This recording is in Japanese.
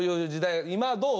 今どう？